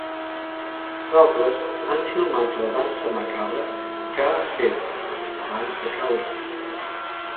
D'altres han filmat la dansa macabra que ha fet abans de caure.